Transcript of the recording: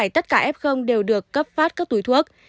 tất cả f đều được cấp phát các túi thuốc